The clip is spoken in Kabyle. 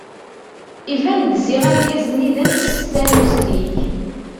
Iban-d ziɣ argaz-nni d amsestan uslig.